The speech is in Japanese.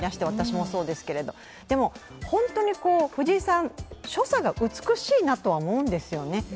私もそうですけれど、本当に藤井さん、所作が美しいなと思うんですよね。